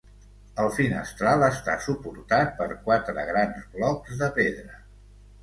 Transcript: El finestral està suportat per quatre grans blocs de pedra.